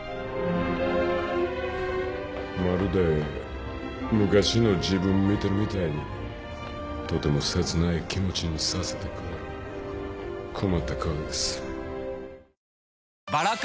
まるで昔の自分見てるみたいにとても切ない気持ちにさせてくれる困った子です。